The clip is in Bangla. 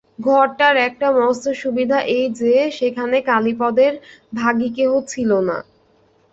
ঘরটার একটা মস্ত সুবিধা এই যে, সেখানে কালীপদর ভাগী কেহ ছিল না।